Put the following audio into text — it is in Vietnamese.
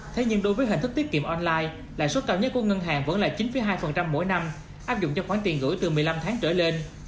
thế nhưng đối với hình thức tiết kiệm online lãi suất cao nhất của ngân hàng vẫn là chín hai mỗi năm áp dụng cho khoảng tiền gửi từ một mươi năm tháng trở lên